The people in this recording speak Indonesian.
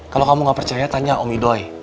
kalo kamu ga percaya tanya om idoi